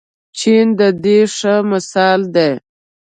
چین د دې ښه مثال دی.